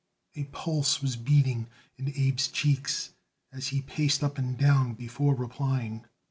A pulse was beating in Abe's cheeks as he paced up and down before replying.